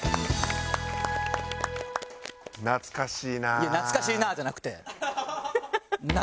いや「懐かしいなぁ」じゃなくて。